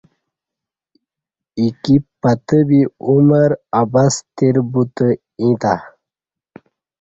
آایکی پتہ بی عمر عبث تیر بوتہ ییں تہ